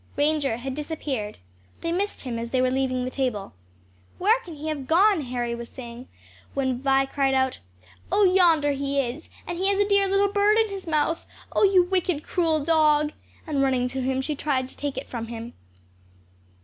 Ranger had disappeared. They missed him as they were leaving the table. "Where can he have gone?" Harry was saying, when Vi cried out, "Oh yonder he is! and he has a dear little bird in his mouth! Oh you wicked, cruel dog!" And running to him she tried to take it from him.